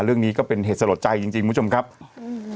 เรื่องนี้ก็เป็นเหตุสะลดใจจริงจริงคุณผู้ชมครับอืม